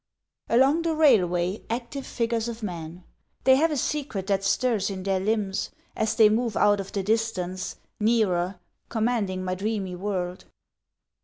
Along the railway, active figures of men. They have a secret that stirs in their limbs as they move Out of the distance, nearer, commanding my dreamy world.